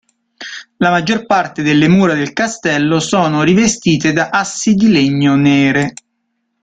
La maggior parte delle mura del castello sono rivestite da assi di legno nere.